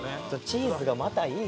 チーズがまたいい。